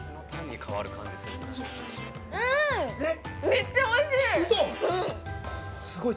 めっちゃおいしい！